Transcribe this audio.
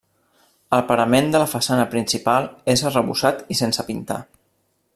El parament de la façana principal és arrebossat i sense pintar.